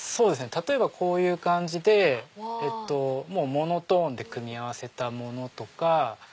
例えばこういう感じでモノトーンで組み合わせたものとか。